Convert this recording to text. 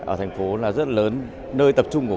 ở thành phố là rất lớn